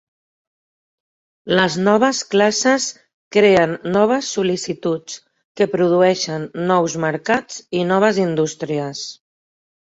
Les noves classes creen noves sol·licituds, que produeixen nous mercats i noves indústries.